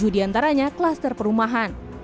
tujuh diantaranya klaster perumahan